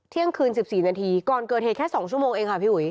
เที่ยงคืน๑๔นาทีก่อนเกิดเหตุแค่๒ชั่วโมงเองค่ะพี่อุ๋ย